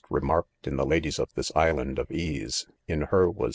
remarked in the ladies of this island of ease*, in her was.